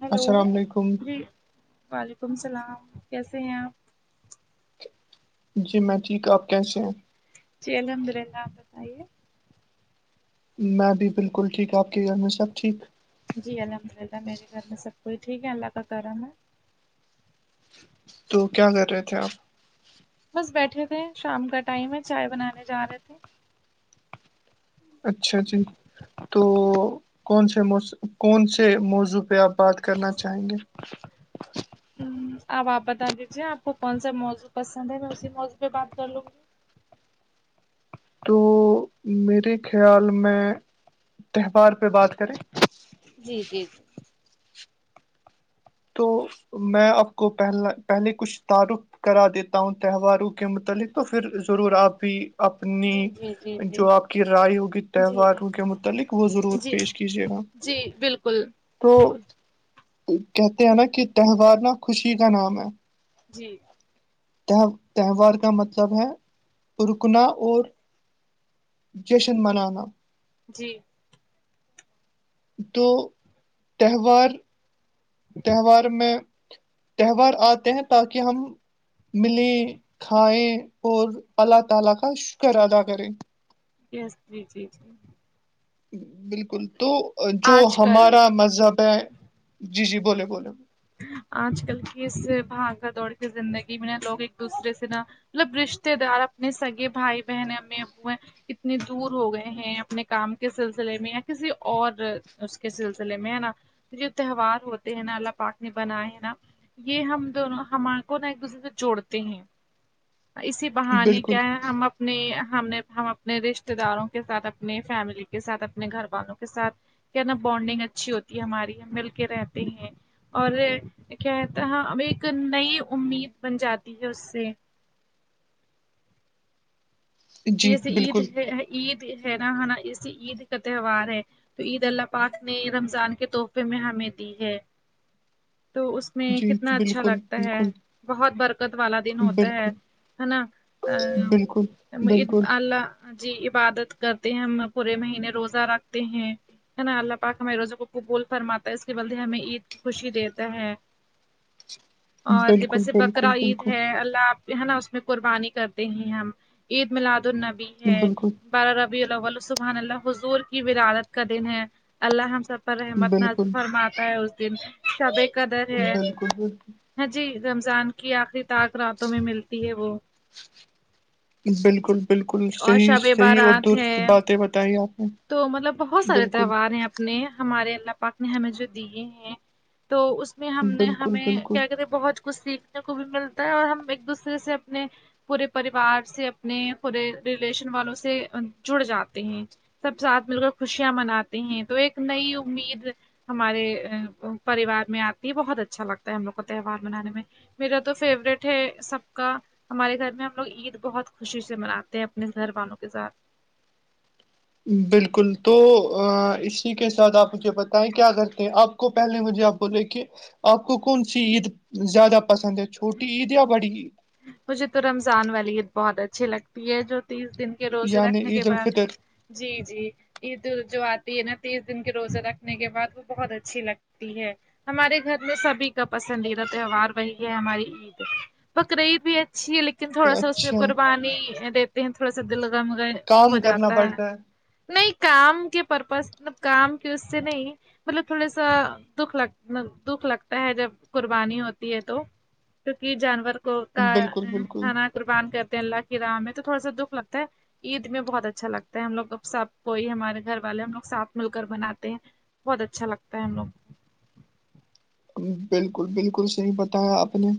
hello السلام علیکم جی وعلیکم السلام کیسے ہیں آپ جی میں ٹھیک آپ کیسے ہیں جی الحمد للہ آپ میں بھی بالکل ٹھیک آپ کے گھر میں سب ٹھیک جی الحمد للہ میرے گھر میں سب کوئی ٹھیک ہے اللہ کا کرم ہے تو کیا کر رہے تھے آپ بس بیٹھے تھے شام کا ٹائم ہے چائے بنانے جا رہے تھے اچھا جی تو کون سےکون سے موضوع پہ آپ بات کرنا چاہیں گے ہ اب آپ بتا دیجیے آپ کو کون سا موضوع پسند ہے میں اسی موضوع پہ بات کر لوں گی تو میرے خیال میں تہوار پہ بات کریں جی جی تو میں آپ کو پہلا پہلے کچھ تعارف کرا دیتا ہوں تہواروں کے متعلق تو پھر ضرور آپ بھی اپنی جی جی جی جی جو آپ کی رائے ہوگی جی جی تہواروں کے متعلق وہ ضرور جی پیش کیجیے گا جی بالکل تو بالکل کہتے ہیں نا کہ تہوار نا خوشی کا نام ہے جی ت تہوار کا مطلب ہے رکنا اور جشن منانا جی تو تہوار تہوار میں تہوار آتے ہیں تاکہ ہم ملیں کھائیں اور اللہ تعالی کا شکر ادا کریں [unintelligible] بالکل تو جو آج کل ہمارا مذہب ہے جی جی بولے بولے آج کل کی اس بھاگا دوڑ کے زندگی میں نا لوگ ایک دوسرے سے نا مطلب رشتے دار اپنے سگے بھائی بہن امی ابو ہیں کتنے دور ہو گئے ہیں اپنے کام کے سلسلے میں یا کسی اور اس کے سلسلے میں ہے نا تو جو تہوار ہوتے ہیں نا اللہ پاک نے بنائے ہیں نا یہ ہم دونوں ہمار کو نا ایک دوسرے سے جوڑتے ہیں اسی بہانے بالکل کیا ہے ہم اب اپنی ہم نے ہم اپنے رشتے داروں کے ساتھ اپنے فیملی کے ساتھ اپنے گھر والوں کے ساتھ کیا نا بونڈنگ اچھی ہوتی ہے ہماری ہم مل کے رہتے ہیں اور کیا ہا اب ایک نئی امید بن جاتی ہے اس سے جی جیسے عید بالکل ہے عید ہے نا ہے نا ایسے عید کا تہوار ہے تو عید اللہ پاک نے رمضان کے تحفے میں ہمیں دی ہے تو اس میں جی کتنا اچھا بالکل لگتا ہے بالکل بہت برکت والا دن ہوتا بالکل ہے ہے نا ا بالکل بالکل بالکل اللہ جی عبادت کرتے ہیں ہم پورے مہینے روزہ رکھتے ہیں ہے نا اللہ پاک ہمیں روزوں کو قبول فرماتا ہے اس کے بلتے ہی ہمیں عید کی خوشی دیتا ہے اور بالکل بیسے بکرا عید بالکل ہے اللہ آپ ہے نا اس میں قربانی کرتے ہیں ہم عید میلاد النبی ہے بالکل بارہ ربی اللہل سبحن اللہ حضور کی ورادت کا دن ہے اللہ ہم سب پر رحمت نازل بالکل فرماتا ہے اس دن سبے قدر ہے بالکل بالکل ہاں جی رمضان کی آخری طاک راتوں میں ملتی ہے وہ بالکل بالکل اور صحیح شب صحیح اور بارات درست ہے باتیں بتائیں آپ نے تو مطلب بہت سارے بالکل تہوار ہیں یہ نے ہمارے اللہ پاک نے ہمیں جو دیے ہیں تو اس میں ہم نے بالکل ہمیں بالکل کیا کہتے ہیں بہت کچھ سیکھنے کو بھی ملتا ہے اور ہم ایک دوسرے سے اپنے پورے پریوار سے اپنے پورے ریلیشن والوں سے جڑ جاتے ہیں سب ساتھ مل کر خوشیاں مناتے ہیں تو ایک نئی امید ہمارے پریوار میں آتی بہت اچھا لگتا ہے ہم لگ کو تہوار منانے میں میرا تو فیوریٹ ہے سب کا ہمارے گھر میں ہم لوگ عید بہت خوشی سے مناتے ہیں اپنے گھر والوں کے ساتھ بالکل تو اسی کے ساتھ آپ مجھے بتائیں کیا کرتے ہیں آپ کو پہلے مجھے آپ بولے کہ آپ کو کون سی عید زیادہ پسند ہے چھوٹی عید یا بڑی عید مجھے تو رمضان والی عید بہت اچھی لگتی ہے جو تیس دن کے روزے یعنی رکھنے کے عید بعد الفطر جی جی عید جو آتی ہے نا تیس دن کے روزے رکھنے کے بعد وہ بہت اچھی لگتی ہے ہمارے گھر میں سبھی کا پسندیدہ تہوار وہی ہے ہماری عید بکرا عید بھی اچھی ہے لیکن تھوڑا سا اس میں اچھا قربانی دیتے ہیں تھوڑا سا دلگم کام کرنا پڑتا ہے نہیں کام کے پرپز مب کام کی اس سے نہیں مطلب تھوڑا سا دکھ لگ دکھ لگتا ہے جب قربانی ہوتی ہے تو کیونکہ جانور کو کا بالکل بالکل ہناا قربان کرتے ہیں اللہ کی راہ میں تو تھوڑا سا دکھ لگتا ہے عید میں بہت اچھا لگتا ہے ہم لوگ سب کوئی ہمارے گھر والے ہم لوگ ساتھ مل کر بناتے ہیں بہت اچھا لگتا ہے ہم لگ بالکل بالکل صحیح بتایا آپ نے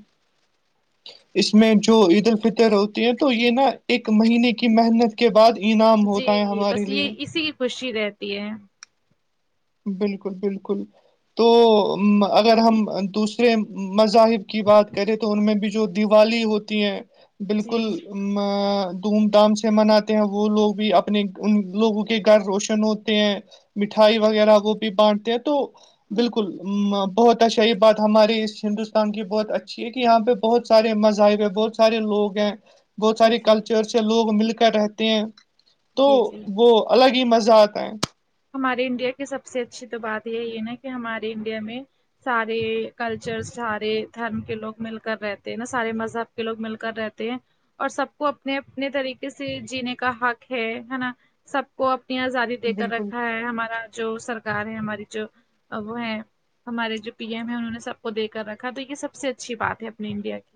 اس میں جو عید الفطر ہوتی ہے تو یہ نا ایک مہینے کی محنت کے بعد انعام ہوتا ہے جی ہمارے بس لیے یہ اسی کی خوشی دیتی ہے بالکل بالکل تو اگر ہم دوسرے مذاہب کی بات کریں تو ان میں بھی جو دیوالی ہوتی ہے جی بالکل دھوم دھام سے مناتے ہیں وہ لوگ بھی اپنے ان لوگوں کے گھر روشن ہوتے ہیں مٹھائی وغیرہ وہ بھی بانٹتے ہیں تو بالکل ا بہت اچھا یہ بات ہماراری اس ہندوستان کی بہت اچھی ہے کہ یہاں پہ بہت سے مذاہب ہے بہت سارے لوگ ہیں بہت جی سارے جی کلچر سے لوگ مل کر رہتے ہیں تو جی جی وہ الگ ہی مزہ آتا ہیں ہمارے انڈیا کی سب سے اچھی تو بات یہ ہے نا کہ ہمارے انڈیا میں سارے کلچر سارے دھرم کے لوگ مل کر رہتے ہیں نا سارے مذہب کے لوگ مل کر رہتے ہیں اور سب کو اپنے اپنے طریقے سے جینے کا حق ہے نا سب کو اپنی آزادی دے کر بالکل رکھا ہے ہمارا جو سرکار ہے ہماری جو اب وہ ہے ہمارے جو پی ایم ہے انہوں نے سب کو دے کر رکھا تو یہ سب سے اچھی بات ہے اپنی انڈیا کی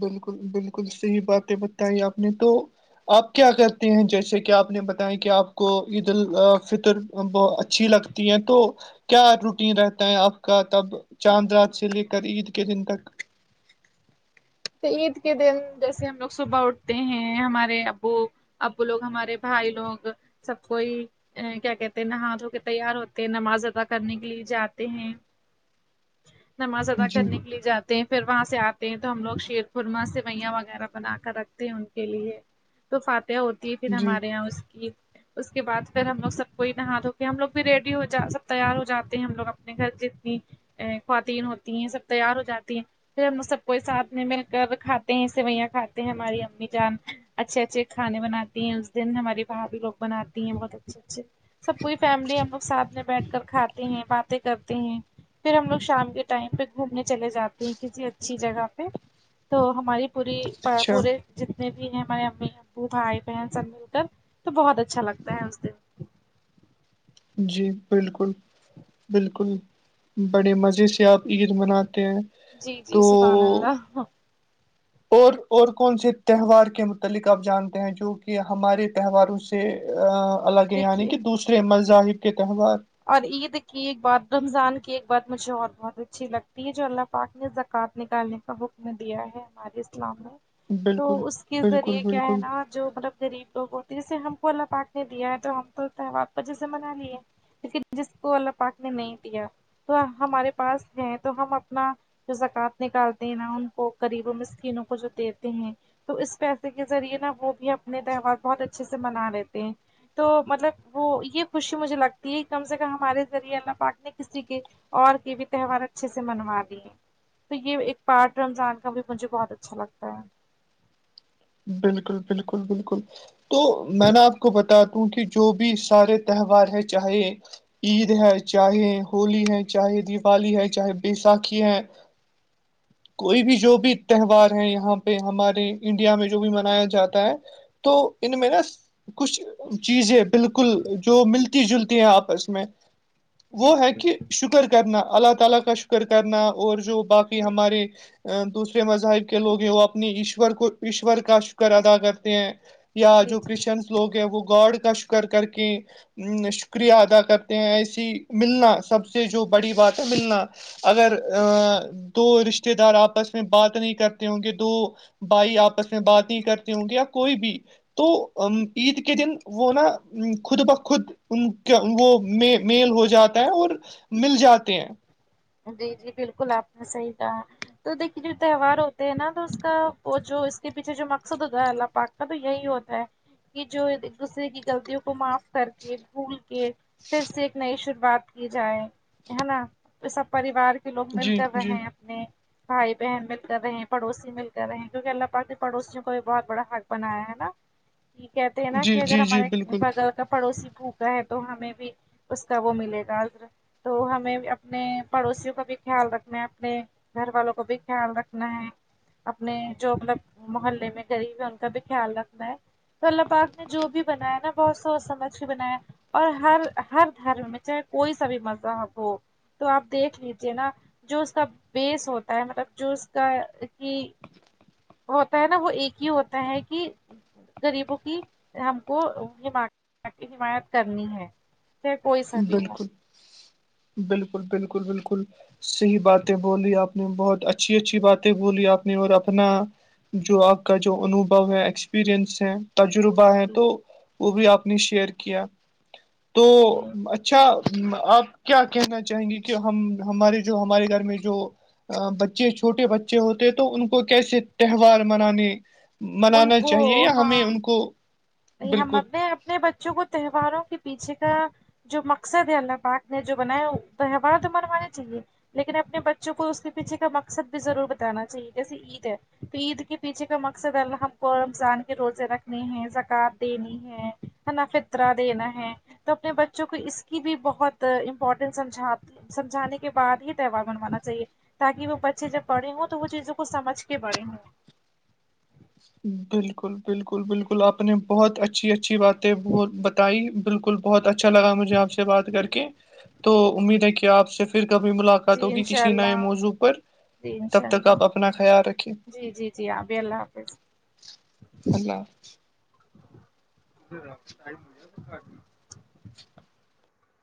بالکل بالکل صحیح باتیں بتائی آپ نے تو آپ کیا کرتے ہیں جیسے کہ آپ نے بتیا کہ آپ کو عید الفطر بہ اچھی لگ ہیں تو کیا روٹین رہتا ہے آپ کا تب چاند رات سے لے کر عید کے دن تک تو عید کے دن جیسے ہم لوگ صبح اٹھتے ہیں ہمارے ابو اب لوگ ہمارے بھائی لوگ سب کوئی کیا کہتے ہیں نہا دھ کے تیار ہوتے ہیں نماز ادا کرنے کے لیے جاتے ہیں نماز ادا جی کرنے کے لیے جاتے ہیں پھر وہاں سے آتے ہیں تو ہم لوگ شیر خورما سے میاں وغیرہ بنا کر رکھتے ہیں ان کے لیے تو فاتح ہو تی پھر جی ہمارے یہاں اس کی اس کے بعد پھر ہم لوگ سب کوئی نہا دھو کے ہم لوگ بھی ریڈی ہو جا سب تیار ہو جاتے ہیں ہم لوگ اپنے گھر جتنی خواتین ہوتی ہیں سب تیار ہو جاتی ہیں پھر ہم سب کوئی ساتھنے میں کر کھاتے ہیں سوئیاں کھاتے ہیں ہماری امی جان اچھے اچھے کھانے بناتی ہیں اس دن ہماریے بھابی لوگ بناتی ہیں بہت اچھے اچھے سب پوری فیملی ہم لوگ ساتھ میں بیٹھ کر کھاتے ہیں باتیں کرتے ہیں پھر ہم لوگ شام کے ٹائم پہ گھومنے چلے جاتے ہیں کسی اچھی جگہ پہ تو ہماری پوری اچھا پورے جتنے بھی ہیں ہمارے امی ابو بھائی بہن سب مل کر تو بہت اچھا لگتا ہے اس دن جی بالکل بالکل بڑے مزے سے آپ عید مناتے ہیں جی جی تو سبحان اللہ اور اور کون سے تہوار کے متعلق آپ جانتے ہیں جو کہ ہمارے تہواروں سے سے الگ ہے یعنی دیکھیے کہ دوسرے مذاہب کے تہوار اور عید کی ایک بات رمضان کی ایک بات مجھے اور بہت اچھی لگتی ہے جو اللہ پاک نے زکوۃ نکالنے کا حکم دیا ہے ہمارے اسلام نے تو بالکل اس کے بالکل ذریعے کیا ہے بالکل نا جو مطلب غریب لوگ ہوتے جسے ہم کو اللہ پاک نے دیا ہے تو ہم تو تہوار کو جیسے منا لیے لیکن جس کو اللہ پاک نے نہیں دیا تو ہمارے پاس ہے تو ہم اپنا جو زکوت نکالتے ہیں نہ ان کو غریبوں میں مسکینوں کو جو دیتے ہیں تو اس پیسے کے ذریعے نا وہ بھی اپنے تہوار بہت اچھے سے منا لیتے ہیں تو مطلب وہ یہ خوشی مجھے لگتا یہ کم سے کم ہمارے ذریعے اللہ پاک نے کسی کے اور کے بھی تہوار اچھے سے منوا دی ہیں تو یہ ایک پارٹ رمضان کا بھی مجھے بہت اچھا لگتا ہے بالکل بالکل بالکل تو میں نا آپ کو بتا دوں کہ جو بھی سارے تہوار ہے چاہے عید ہے چاہے ہولی ہے چاہے دیوالی ہے چاہے بیسااکھی ہے کوئی بھی جو بھی تہوار ہے یہاں پہ ہمارے انڈیا میں جو بھی منایا جاتا ہے تو ان میں نا کچھ جی جی بالکل جو ملتی جلتی ہیں آپس میں جی وہ ہے جی کہ جی شکر کرنا اللہ تعالی کا شکر کرنا اور جو باقی جی ہمارے دوسرے مذاہب کے لوگ ہیں وہ اپنی ایشور کو ایشور کا شکر ادا کرتے ہیں یا جی جی جو جی کرشچنس لوگ ہیں وہ گاڈ کا شکر کر کے شکریہ ادا کرتے ہیں ایسی ملنا سب سے جو بڑی بات ہے ملنا اگر ا دو رشتے دار آپس میں بات نہیں کرتے ہوں گے دو بھائی آپس میں بات نہیں کرتے ہوں گے یا کوئی بھی تو عید کے دن وہ نا خود بخود ان کا وہ میل ہو جاتا ہے اور مل جاتے ہیں جی جی بالکل اپنے صحیح کہا تو دیکھیے جو تہوار ہوتے ہیں نا تو اس کا وہ جو اس کے پیچھے جو مقصد ہوتا ہے اللہ پاک ا تو یہی ہوتا ہے کہ جو ایک دوسرے کی غلطیوں کو معاف کر کے بھول کے پھر سے ایک نئی شروعات کی جائے ہے نا سب پریوار کے ک لوگ مل جی کر رہے جی ہیں اپنے بھائی بہن مل کر رہے ہیں پڑوسی مل کر رہے ہیں کیونکہ اللہ پاک نے پڑوسیوں کو بھی بہت بڑا حق بنایا ہے نا کہ کہتے ہیں نا جی کہ اگر جی جی ہمارے بالکل بغل کا پڑوسی بھوکا ہے تو ہمیں بھی اس کا وہ ملے گا عجر تو ہمیں اپنے پڑوسیوں کا بھی خیال رکھنا ہے اپنے گھر والوں کو بھی خیال رکھنا ہے اپنے جو مطلب محلے میں غریب ہے ان کا بھی خیال رکھنا ہے تو اللہ پاک نے جو بھی بنایا نا بہت سوچ سمجھ کے بنایا اور ہر ہر دھرم میں چاہے کوئی سا بھی مذہب ہو تو آپ دیکھ لیجیے نا جو اس کا بیس ہوتا ہے مطلب جو اس کا کہ ہوتا ہے نا وہ ایک ہی ہوتا ہے کہ غریبوں کی ہم کو حمایت کرنی ہے چاہے کوئی سا بھی ہو بالکل بالکل بالکل بالکل صحیح باتیں بولی آپ نے بہت اچھی اچھی باتیں بولی آپ نے اور اپنا جو آپ کا جو انوبھو ہے ایکسپریئنس ہیں جی تجربہ ہے جی تو وہ بھی آپ نے شیئر کیا تو جی اچھا آپ کیا کہنا چاہیں گے کہ ہم ہمارے جو ہمارے گھر میں جو بچے چھوٹے بچے ہوتے ہیں تو ان کو کیسے تہوار منانے ان منانا کو چاہیے یا ہمیں ان ہاں کو ہم بالکل اپنے اپنے بچوں کو تہواروں کے پیچھے کا جو مقصد ہے اللہ پاک نے جو بنایا ہے تہوار تو منوانے چاہیے لیکن اپنے بچوں کو اس کے پیچھے کا مقصد بھی ضرور بتانا چاہیے جیسے ہے تو عید کے پیچھے کا مقصد ہم کو رمضان کے روزے رکھنے ہیں کا دین ہے ہمیں فترا دینا ہے تو اپنے بچوں کو اس کی بھی بہت امپورٹینس سمجھاتے سمجھانے کے بعد ہی تہوار بنوانا چاہیے تاکہ وہ بچے جب بڑھے ہوں تو وہ چیزوں کو سمجھ کے بڑے ہوں بالکل بالکل بالکل آپ نے بہت اچھی اچھی باتیں بہت بالکل بہت اچھا لگا مجھے آپ سے بات کر کے تو امید ہے کہ آپ صرف پھر کبھی ملاقات جی ہوگی انشاء کسی نئے اللہ موضوع پر جی انشاء تب تک اللہ آپ اپنا خیال رکھیں جی جی جی آپ بھی اللہ حافظ اللہ ہو